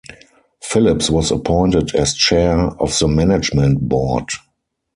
Phillips was appointed as Chair of the Management Board.